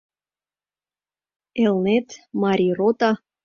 «Элнет», «Марий рота»